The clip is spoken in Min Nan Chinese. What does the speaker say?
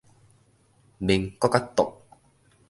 民國仔獨